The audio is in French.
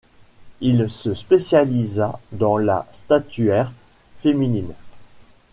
Il se spécialisa dans la statuaire féminine.